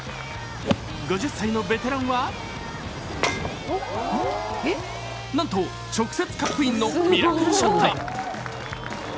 ５０歳のベテランはなんと直接カップインのミラクルショット。